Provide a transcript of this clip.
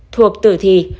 thuộc tử thi